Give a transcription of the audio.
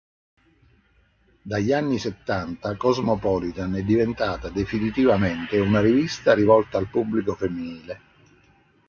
Dagli anni settanta "Cosmopolitan" è diventata definitivamente una rivista rivolta al pubblico femminile.